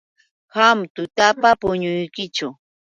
Qam tutapa manam puñuykichu.